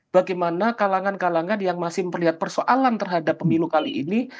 bagaimana kalangan kalangan yang masih melihat persoalan terhadap pemilu kali ini